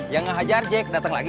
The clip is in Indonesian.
yang ngehajar jack dateng lagi gak